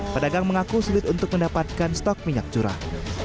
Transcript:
pedagang mengaku sulit untuk mendapatkan stok minyak curah